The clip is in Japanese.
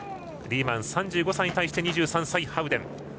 リーマン、３５歳に対して２３歳のハウデン。